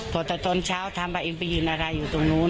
ตอนเช้าทำไปยืนอะไรอยู่ตรงนู้น